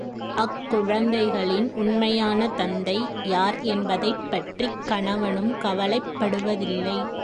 அக் குழந்தைகளின் உண்மையான தந்தை, யார் என்பதைப் பற்றிக் கணவனும் கவலைப்படுவதில்லை.